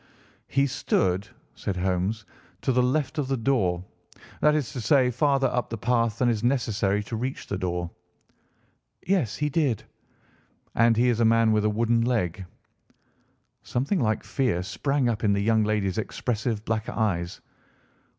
"He stood," said Holmes, "to the left of the door—that is to say, farther up the path than is necessary to reach the door?" "Yes, he did." "And he is a man with a wooden leg?" Something like fear sprang up in the young lady's expressive black eyes.